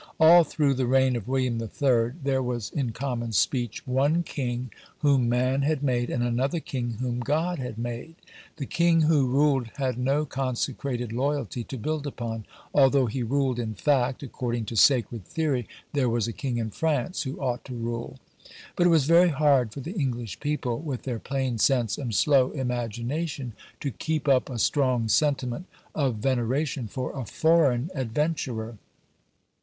All through the reign of William III. there was (in common speech) one king whom man had made, and another king whom God had made. The king who ruled had no consecrated loyalty to build upon; although he ruled in fact, according to sacred theory there was a king in France who ought to rule. But it was very hard for the English people, with their plain sense and slow imagination, to keep up a strong sentiment of veneration for a foreign adventurer.